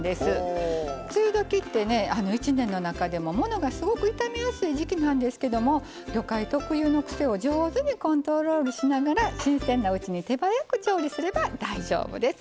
梅雨時ってね一年の中でもものがすごく傷みやすい時季なんですけども魚介特有の癖を上手にコントロールしながら新鮮なうちに手早く調理すれば大丈夫です。